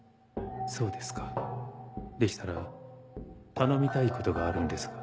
そうですかでしたら頼みたいことがあるんですが。